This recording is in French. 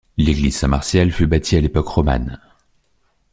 L'église Saint-Martial fut bâtie à l'époque romane.